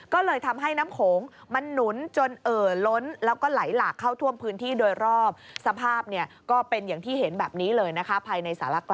ก็เลยทำให้น้ำโขงมันนุ้นจนเอ่อล้น